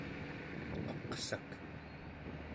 aqsak